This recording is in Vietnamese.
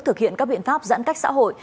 thực hiện các biện pháp giãn cách xã hội